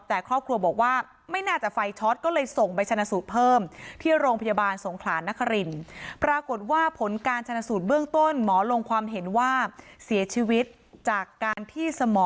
แต่ครอบครัวบอกว่าไม่น่าจะไฟช็อตก็เลยส่งไปชนสูตรเพิ่ม